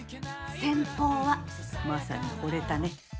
先方はマサにほれたね。